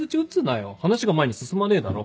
話が前に進まねえだろ。